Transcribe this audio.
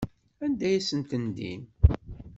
Anda ay asen-tendim?